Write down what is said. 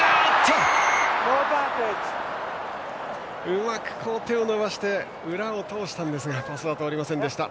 うまく手を伸ばして裏を通したんですがパスは通りませんでした。